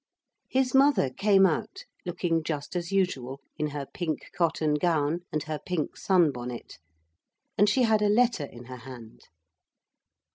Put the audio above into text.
His mother came out, looking just as usual, in her pink cotton gown and her pink sunbonnet; and she had a letter in her hand.